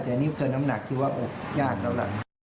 แต่นี่เป็นน้ำหนักที่ว่าอุบอย่างต่อหลัง